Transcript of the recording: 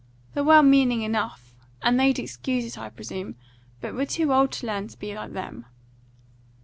They're well meaning enough, and they'd excuse it, I presume, but we're too old to learn to be like them."